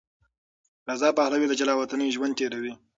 رضا پهلوي د جلاوطنۍ ژوند تېروي.